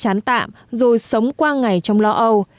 chán tạm rồi sống qua ngày trong lo âu